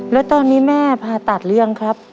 แล้วตอนนี้แม่ผ่าตัดหรือยังครับ